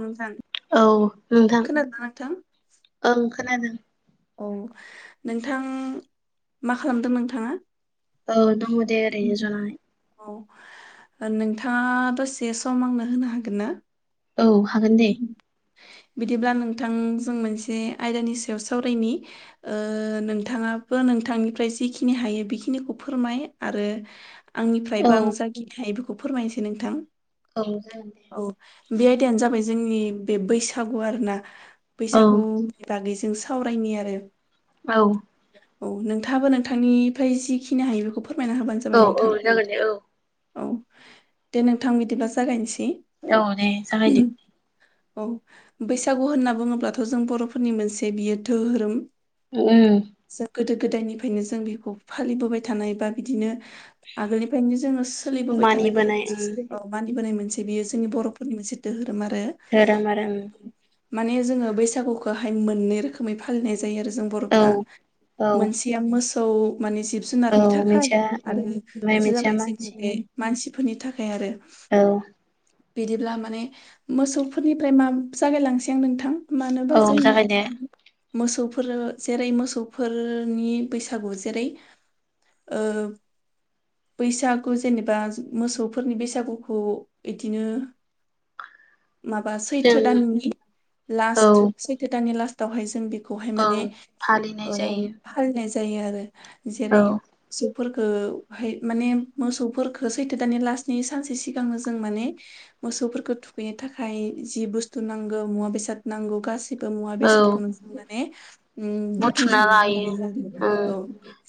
नोंथां औ नोंथां खोनादोंना नोंथां ओं खोनादों औ नोंथां मा खालामदों नोंथाङा? औ दङ दे ओरैनो जनानै ओ नोंथाङा दसे सम आंनो होनो हागोन ना औ हागोन दे बिदिब्ला नोंथां जों मोनसे आयदानि सायाव सावरायनि ओ नोंथाङाबो नोंथांनिफ्राय जिखिनि हायो बेखिनिखौ फोरमाय आ रो आंनिफ्रायबो औ आं जाखिनि हायो बेखौ फोरमायनोसै नोंथां जागोन दे औ बेआय दायानो जाबाय जोंनि बे बैसागु आरो ना औ बैसागुनि बागै जों सावरायनि आरो औ औ नोंथाङाबो नोंथांनिफ्राय जिखिनि हायो बेखौ फोरमायना होबानो जाबाय औ नोंथां औ जागोन दे औ दे नोंथां बिदिब्ला जागायनोसै औ दे जागायदो औ बैसागु होनना बुङोब्लाथ' जों बर'फोरनि मोनसे बियो धोहोरोम ओम गोदो गोदायनिफ्रायनो जों बेखौ फालिबोबाय थानाय बा बिदिनो आगोलनिफ्रायनो जोङो सोलिबोबाय थानाय बियो मानिबोनाय उम मोनसे मानिबोनाय मोनसे बियो जोंनि बर'फोरनि मोनसे धोरोम आरो धोरोम आरो ओम माने जोङो बैसागुखौहाय मोननै रोखोमै फालिनाय जायो आरो जों बर'फ्रा औ औ मोनसेया मोसौ माने जिब औ जुनारनि थाखाय मोनसेया उम आरो ओमफ्राय मोनसे मोनसेया जाबाय जोंनि बे मानसिनि मानसिफोरनि थाखाय आरो। औ बिदिब्ला माने मोसौफोरनिफ्राय मा जागायलांनोसै आं नोंथां औ जागायदो मोसौफोरो जेरै मोसौफोरनि बैसागु जेरै ओ बैसागु जेनेबा मोसौफोरनि बैसागुखौ इदिनो [inaudible] माबा सैथो जों दाननि औ लास्ट सैथो दाननि लास्टावहाय जों बेख खौहाय औ माने फालिनाय ओ जायो फालिनाय जायो आरो औ जेरै फोरखोहाय माने मोसौफोरखो सैथो दानि लास्टनि सानसे सिगांनो जों माने मोसौफोरखौ थुखैनो थाखाय जि बुस्थु नांगौ मुवा बेसाद नांगौ गास बो मुवा औ बेसादखौ नों माने उम बुथुमना बुथुमजोबनानै लायो लानाय जादों उम औ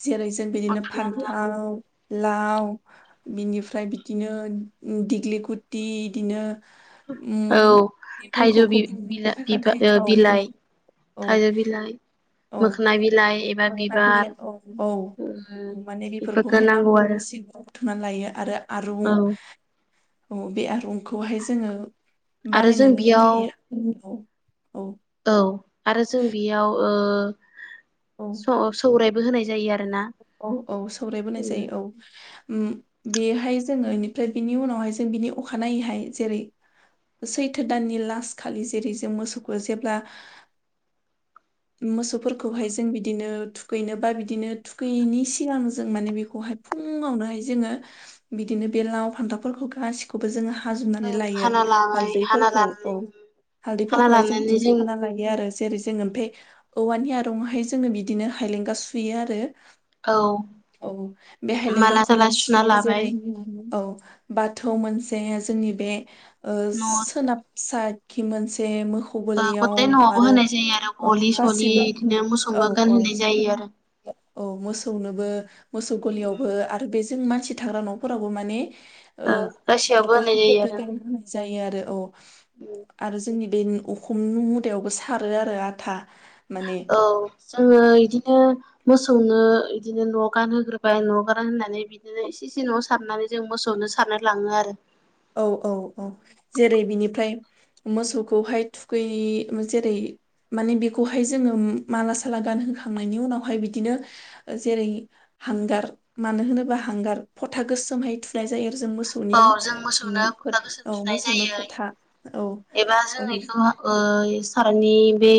जेरै जों बिदिनो बुथुमना लानांगौ फान्थाव लाव बिनिफ्राय बिदिनो दिग्लि गुटि बिदिनो औ उ थाइजौ मोखौखौ बि बुंनो थाखाय औ औ थाया बिलाइ औ मोखोना बिलाइ एबा बिबार औ उम माने बेफोरखौ बेफोरखौहाय नांगौ आरो थिं बुथुमनानै लायो आरो आरुं औ औ बे आरुंखौहाय जोङो आरो जों बानायनानै बेयाव लायो औ औ आरो जों बेयाव औ ओ सौराय होनाय जायो आरो ना औ औ सौरायबोनाय जायो औ बेहाय जोङो बेनिफ्राय बिनि उनावहाय जों बिनि अखानायैहाय जेरै सैथो दाननि लास खालि जेरै जों मोसौखौ जेब्ला मोसौफोरखौहाय जों बिदिनो थुखैनो बा बिदिनो थुखैयैनि सिगां जों माने बेखौहाय फुङावनोहाय जोङो बिदिनो बे लाव फान्थावफोरखौ गासिखौबो जोङो हाजुमनानै ओं लायो हाना लाबाय हाना हालदैफोरखौ लानानै औ हाना हालदैफोरखौहाय जों लानानै बिदिनो साना लायो आरो जेरै जोङो ओमफ्राय औवानि आरुंहाय जोङो बिदिनो हायलेंगा सुयो आरो औ औ बेहाय माला लेंगाखौ साला मोनसे सुना थुयो लाबाय जेरै औ बाथौ मोनसे बे जोंनि बे न' ओ सोनाबसा खि मोनसे मोखौ गथाय गुलियाव न'आवबो आरो होनाय जायो आरो गलि सलि गासिबो बिदिनो औ मोसौबो औ गानहोनाय जायो आरो औ मोसौनो मोसौ गलियावबो आरो बे जों मानसि थाग्रा न'फोरावबो माने ओ बेहाय गासैयावबो होनाय जायो मोखौफोरखौ आरो गानहाय जायो आरो औ उम आरो जोंनि बे उखुम मुदायावबो सारो आरो आथा माने औ जोङो इदिनो मोसौनो इदिनो न' गानहोग्रोबाय न' गानहोनानै बिदिनो इसे इसे न' सारनानै जों मोसौनो ननो सारना लाङो आरो औ औ औ जेरै बिनिफ्राय मोसौखौहाय थुखै जेरै माने बेखौहाय जोङो माला साला गानहोखांनायनि उनावहाय बिदिनो जेरै हांगार मानो होनोब्ला हांगार फथा गोसोमहाय थुनाय जायो आरो जों मोसौनि उम थुखैनो फथा फोथ गोसोम औ थुनाय मोसौनो फोथा औ जायो एबा औ जों बेखौ ओ सारानि बे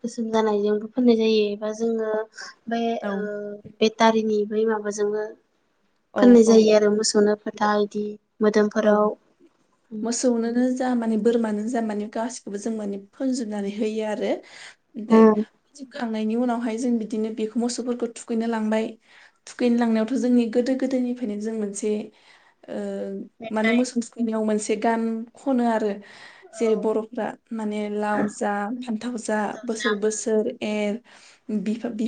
गोसोम जानायजोंबो फोननाय जायो बिदिबा जोङो बे औ बेटारिनि बै माबाजोंनो फोननाय जायो औ आरो मोसौनो फोथा औ इदि औ मोदोमफोराव मोसौनोनो जा माने बोरमा मानो जा माने गासिखौबो जों माने फोनजोबनानै होयो आरो उम ओमफ्राय होखांनायनि उनावहाय जों बिदिनो बेखौ मोसौफोरखौ थुखैनो लांबाय थुखैनो लांनायावथ' जोंनि गोदो गोदोनिफ्रायनो जों मोनसे ओ माने मेथाइ मोसौ थुखैनायाव मोनसे ए गान खनो आरो औ जेरै बर'फ्रा माने लाव जा फान्थाव जा फान्थावजों बोसोर उम बोसोर एर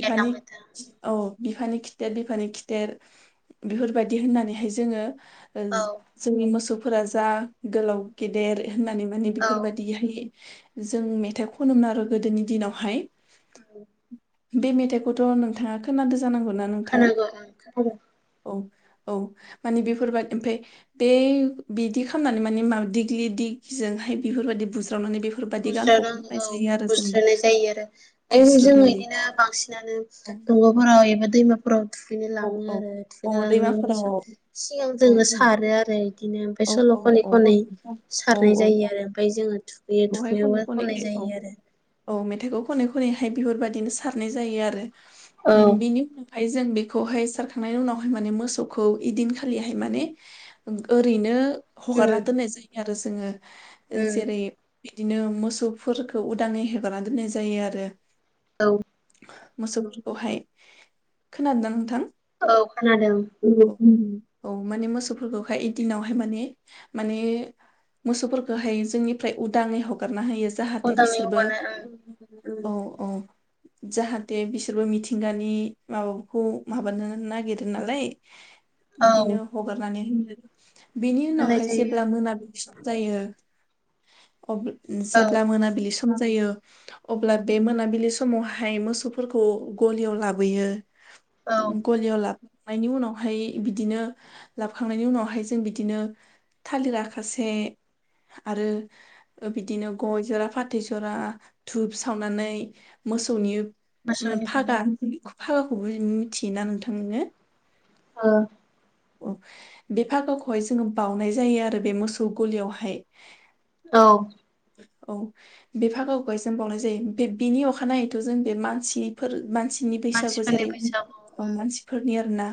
गेरलां बोथोर औ बिफानि खिथेर बिफानि खिथेर बेफोरबायदि होननानैहाय जोङो जोंनि मोसौ फोरा जा गोलाव गेदेर होननानै माने औ बेफोर बायदिहाय जों मेथाइ खनोमोन आरो गोदोनि दिनावहाय औ बे मेथाइखौथ' नोंथाङा खोनादो जानांगौना नोंथां खोनागौ ओं खोनादों औ औ माने बेफोरबायदि ओमफफ्राय बे बिदि खालामनानै माने दिग्लि जोंहाय बेफोरबायदि बुजायो बुज्रा नांगौ औ जों बुज्राय जायो आरो जों बुस्रोदनानै बिदिनो बांसिनानो दंग'फोराव एबा दैमाफोराव थुखैनो औ लाङो औ आरो थुखैनो औ लांनायाव दैमाफोराव [unintelligible] सिगां औ जोंनो औ सारो आरो बिदिनो उमफ्राय औ सल' खनै औ खनै औ सारनाय जायो औ आरो उमफ्राय जोंङो थुखैयो बेखौहाय खनै थुखैनायावबो खनै खननाय औ जायो आरो। औ मेथाइखौ खनै खनैहाय बिफोरबायदिनो सारनाय जायो आरो उम बिनि उनावहाय जों बे बेखौहाय सारखांनायनि उनावहाय माने मोसौखौ इदिनखालिहाय माने ओरैनो हगारना दोननाय जायो आरो जोङो उम जेरै बिदिनो मोसौफोरखौ उदाङै हेगारना दोननाय जायो आरो। औ मोसौफोरखौहाय खोनादों ना नोंथां? औ खोनादों। औ माने मोसौफोरखौहाय इदिनावहाय माने माने मोसौफोरखौहाय जोंनिफ्राय उदाङै हगारना होयो जाहाथे उदाङै बिसोरबो हगारना औ औ जाहाथे बिसोरबो मिथिंगानि माबाखौ माबानो नागिरो नालाय ओं औ बिदिनो हगारनानै [unintelligible] बिनि होनाय उनावहाय जायो जेब्ला आरो मोनाबिलि सम जायो अब औ जेब्ला मोनाबिलि स ‌ म जायो अब्ला बे मोनाबिलि समावहाय मोसौफोरखौ गलियाव लाबोयो औ गलि आव लाब ‌ नायनि उनावहाय बिदिनो लाबखांनायनि उनावहाय जों बिदिनो थालिर आखासे आरो बिदिनो गय जरा फाथै जरा धुप सावनानै मोसौनि मोसौनि फागा गलियाव फागाखौबो मिथियोना नोंथां नोङो? ओ औ बे फागाखौहाय जोङो बाउनाय जायो आरो बे मोसौ गलियावहाय। औ औ बे फागा खौहाय जों बावनाय जायो बे बिनि अखानायैथ' जों बे मानसिफोर मानसि नि बैसागु मानसिफोरनि जेरै बैसागु अ उम मानसिफोरनि आरो ना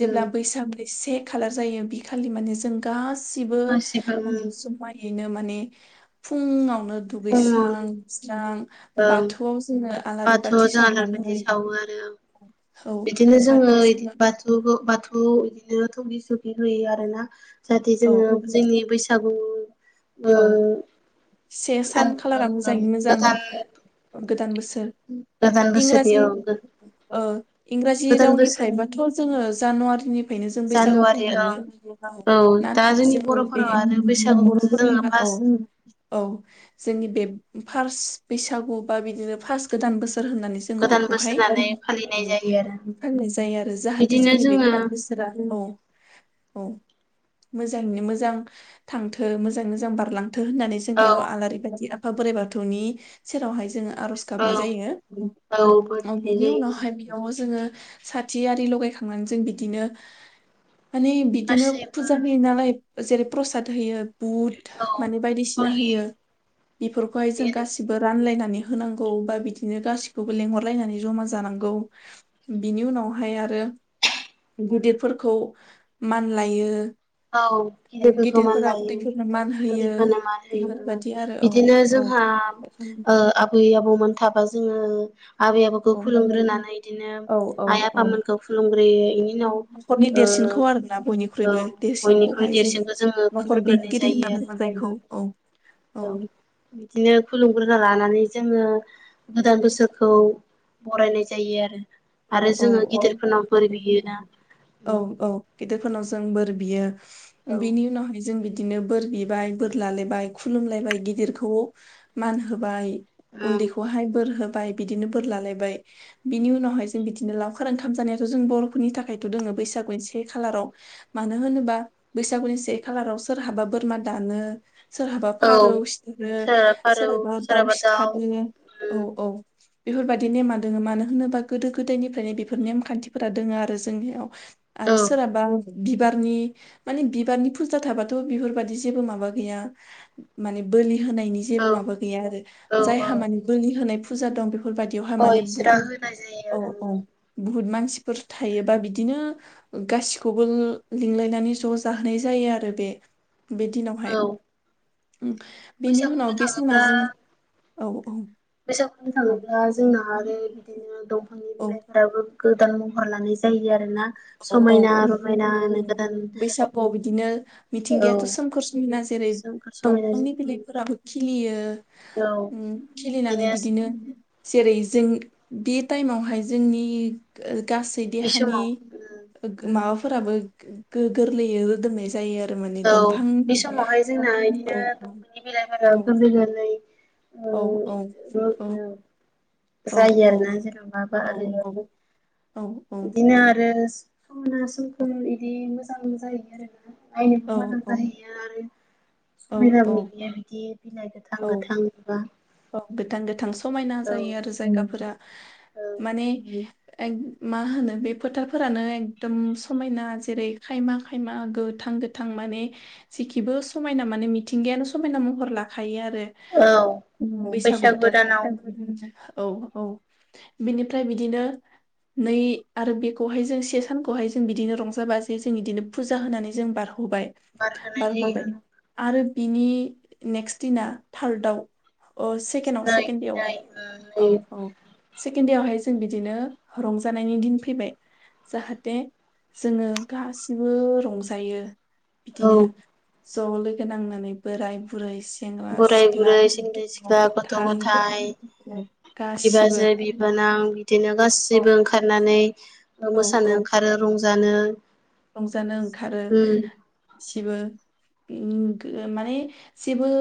उम बैसागनि एसे खालार जायो बि खालि माने जों गासिबो गासिबो माने जुमाय नो माने फुङावनो दुगैस्रां फुङावनो स्रां ओं बाथौआव जोङो आलारि बाथौआव बाथि जों आलारि बाथि सावनानै सावो आरो औ बिदिनो बाथौआव जोङोदि जोङो बाथौ बाथौ बिदिनो थौगि थगि होयो आरोना जाहाथे औ जोङो जोंनि बैसागु ओ औ से सान खालारा मोजाङै मोजां [unintelligible] गोदान बोसोर गोदान बोसोरनि इंराजि औ ओ इंराजि गोदान बोसोर रावनिफ्रायबाथ' जोङो जा नुवारिनिफ्रायनो जों बैसागुखौ जानुवारि औ हमो औ दा नाथाय जोंनि जोङो बे बर'फोराव आरो बैसागुखौसो जोङो बर' फार्स्ट औ औ जोंनि बे फार्स बैसागु बा बिदिनो फार्स गोदान बोसो र होननानै जोङो गोदान बोसोर बेखौहाय होननानै जायो आरो फालिनाय जायो आरो जाहाथे बिदिनो जोंनि बे जोङो गोदान बोसोरा औ औ मोजाङैनो मोजां थांथों मोजाङै मोजां बारलां थो होननानै जों औ बेयाव आलारि बायदि आफा बोराइ बाथौनि सेरावहाय जोङो आर'ज गाबनाय औ जायो औ बोर बिनाय बेनि जायो उनावहाय बेयाव जोङो साथि आरि लगायखांनानै जों बिदिनो माने बिदिनो गासैबो फुजा होयो नालाय जेरै प्रसाद होयो बुट औ माने बायदिसिना थगि होयो बेफोरखौहाय जों थगि गासिबो रानलायनानै होनांगौ बा बिदिनो गासिखौबो लेंहरलायनानै जमा जानांगौ बिनि उनावहाय आरो [unintelligible] गुदिदफोरखौ मानलायो औ गिदिरफोरखौ मान लायो उन्दैफोरनो मान होयो उन्दैफोरनो मान होयो ओ बेफोरबादि आरो औ बिदिनो औ जोंहा ओ आबै आबौमोन थाबा जोङो आबै आबौखौ औ खुलुमग्रोनानै इदिनो औ औ आइ आफामोनखौ औ खुलुमग्रोयो इनि उनाव न'खरनि ओ देरसिनखौ आरोना ओ बयनिख्रुइबो औ। बयनिख्रुइ देरसिनखौहाय जोंनि देरसिनखौ जोङो न'खर खुलुमग्रोनाय बेंगिरि जायो होनना आरो। बुङो जायखौ औ औ ओम। औ बिदिनो खुलुमग्रोना लानानै जोङो गोदान बोसोरखौ बरायनाय जायो आरो। औ आरो औ जोङो औ गिदिरफोरनाव औ बोर बियोना [unintelligible] औ औ गेदेरफो नाव जों बोर बियो औ बिनि उनावहाय जों बिदिनो बोर बिबाय बोर लालायबाय खुलुमलायबाय गिदिरखौ मान होबाय उम उन्दैखौहाय बोर होबाय बिदिनो बोर लालायबाय बिनि उनावहाय जों बिदिनो लावखार ओंखाम जानायाथ जों बर'फोरनि थाखायथ दोङो बैसागुनि से खालाराव मानो होनोबा बैसागुनि से खालाराव सोरहाबा बोरमा दानो सोरहाबा औ फारौ सिथारो सोरहाबा दाउ सिथारो। औ उम औ। बेफोरबायदि नेमा दोङो मानो होनोबा गोदो गोदायनिफ्रायनो बेफोर नेमखान्थिफोरा दोङो आरो जोंनियाव। आरो औ सोरहाबा बिबारनि माने बिबारनि फुजा थाबाथ बिफोरबादि जेबो माबा गैया माने बोलि होनायनि जेबो औ माबा गैया आरो औ औ जायहा माने बोलि होनाय फुजा दं बे बेफोरबायदियावहाय अ माने इसोरा बुहुत होनाय जायो औ आरो औ बुहुत मानसिफोर थायोबा बिदिनो गासिखौबो लिंलायनानै ज जाहोनाय जायो। आरो बे बे दिनावहाय। औ ओम बेनि बैसागुनो उनाव बे सिमा थाङोब्ला जों औ औ। बैसागु बुंनो औ थाङोब्ला जोंना आरो बिदिनो दंफांनि बिलाइफोरावबो गोदान महर लानाय जायो आरोना औ औ समायना औ रमायनानो गोदान बैसागुआव बिदिनो मिथिंगायाथ औ सोमखोर सिनना जेरै सोमखोर समायना दंफांनि बिलाइफोराबो खिलियो औ ओम खिलिनानै बिदिनो जेरै जों बे टाइमावहाय जोंनि गासै देहानि समाव माबाफोराबो गो-गो- गोरलैयो रोदोमनाय जायो आरो। आरो माने औ दंफां बे समावहाय जोंना बिदिनो [unintelligible] दंफांनि बिलाइफोरा औ औ गोरलै औ औ औ गोरलै ओ औ जायो आरोना जेनबाबा औ आरो औ इदिनो आरो समाक्षना समखोर इदि मोजां जाहैयो आरोना नायनोबो औ मोजां जाहैयो आरो समायना [unintelligible] बिदि बिलाइ गोथां औ गोथांबा औ गोथां गोथां समायना जायो आरो जायगाफोरा औ माने ओम एक मा होनो बे फोथारफोरानो एकदम समायना जेरै खायमा खायमा गोथ थां गोथां माने जेखिबो समायना माने मिथिंगायानो समायना महर लाखायो आरो। औ बैसागु बोथोरहाय [unintelligible] औ औ बिनिफ्राय बिदिनो नै आरो बेखौहाय जों से सानखौहाय जों बिदिनो रंजा बाजायै जों इदिनो फुजा होनानै जों बारहोहर हरबाय बारहोनाय जायो बारहोहरबाय आरो बिनि नेक्स्ट दिना थार्दआव अ सेकेणआव नै सेकेणड देआवहाय नै नै औ औ सेकेणड देआवहाय जों बिदिनो रंजानायनि दिन फैबाय जाहाथे जोङो गासिबो रंजायो। बिदिनो औ ज लोगो नांनानै बोराय बुरै सेंग्रा बोराय सिख्ला बुरै सेंग्रा गथ' गथाय गासिबो बिबाजै बिबोनां बिदिनो औ जेबो ओंखारनानै औ मोसानो औ ओंखारो रंजानो रंजानो ओंखारो उम गासिबो। ओम गो माने जेबो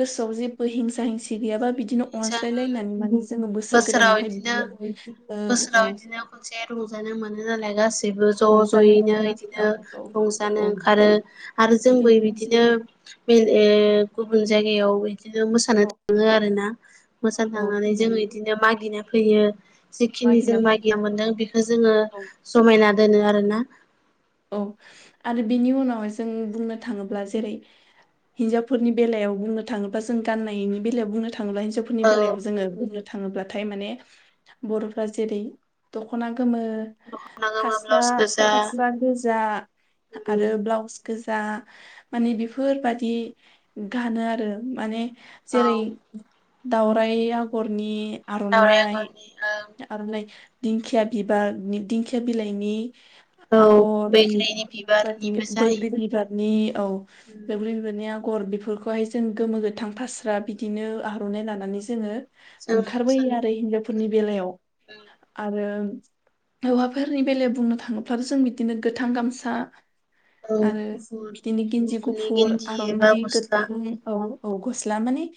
गोसोआव जेबो हिंसा हिंसि गैयाबा बिदिनो अनज्लायलायनानै माने जोङो बोसोर बोसोराव गोदानावहाय बिदिनो बिदिनो औ बोसोराव औ। बिदिनो खनसे रंजानो मोनो नालाय गासि जेबो ज' रंजानो ज'यैनो मोना इदिनो औ औ रंजानो औ ओंखारो आरो जोंबो बिदिनो बेलेग गुबुन जायगायाव बिदिनो मोसानो औ थाङो आरो ना? मोसानो औ थांनानै औ जोंङो इदिनो मागिनो फैयो। जिखिनि जों मागिना मोनदों बेखौ जोङो औ जमायना दोनो आरोना। औ आरो बिनि उनावहाय जों बुंनो थाङोब्ला जेरै हिन्जावफोरनि बेलायाव बुंनो थाङोब्ला जों गान्नायनि बेलायाव बुंनो थाङोब्ला हिनजावफोरनि औ बेलायाव जोङो बुंनो थाङोब्लाथाय माने बर'फ्रा जेरै दख'ना गोमो दख'ना गोमो फास्रा ब्लाउस गोजा फास्रा गोजा आरो औ ब्लाउस गोज जा माने बेफोरबादि गानो आरो माने जेरै दावराय आगरनि दावराइ आर'नाइ आगरनि आर'नाइ दिंखिया बिबारनि दिंखिया बिलाइनि औ आगर उम बैग्रिनि [inaudible] बादि बिबारनिबो बैग्रि जायो बिबारनि औ बैग्रि बिबारनि आग गर बेफोरखौहाय जों गोमो गोथां फास्रा बिदिनो आर'नाइ लानानै जोङो जों ओंखारबोयो मोसानो आरो हिनजावफोरनि ओंखारबाय बेलायाव आरो आरो हौवाफोरनि बेलायाव बुंनो थाङोब्लाथ' जों बिदिनो गोथां गामसा औ आरो गुफुर बिदिनो गेन्जि गुफुरनि गुफुर गेन्जि एबा आर'नाइ गस्ला गोथां औ। औ गस्ला माने